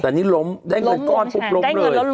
แต่นี่ล้มได้เงินก้อนปุ๊บล้มเลย